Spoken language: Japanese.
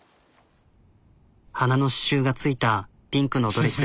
花の刺しゅうがついたピンクのドレス。